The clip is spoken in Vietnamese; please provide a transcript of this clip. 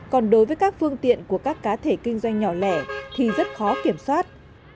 còn đối với các phương tiện của các cá thể kinh doanh nhỏ lẻ thì rất khó kiểm soát